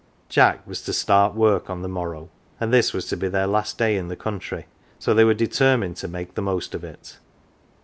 Jack was to " start work " on the morrow, and this was to be their last day in the country, so they were determined to make the most of it.